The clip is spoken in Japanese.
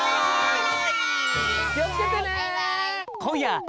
きをつけてね！